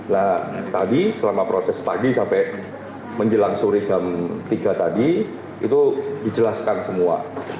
nah tadi selama proses pagi sampai menjelang sore jam tiga tadi itu dijelaskan semua